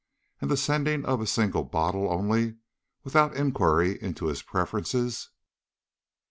And the sending of a single bottle only, without inquiry into his preferences....